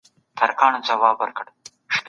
هر چا چي مظلوم ته پناه ورکړه، لوی ثواب يې وګاټه.